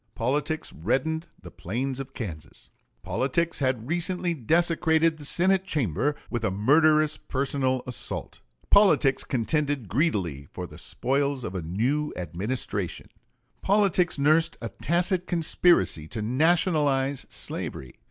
Politics reddened the plains of Kansas; politics had recently desecrated the Senate chamber with a murderous personal assault; politics contended greedily for the spoils of a new administration: politics nursed a tacit conspiracy to nationalize slavery.